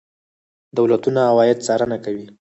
دولتونه عواید څارنه کوي.